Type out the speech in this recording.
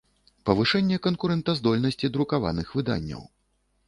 Павышэнне канкурэнтаздольнасцi друкаваных выданняў.